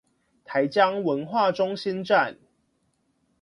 台江文化中心站